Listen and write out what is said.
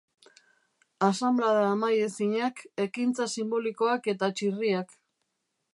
Asanblada amaiezinak, ekintza sinbolikoak eta txirriak.